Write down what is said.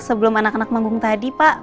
sebelum anak anak manggung tadi pak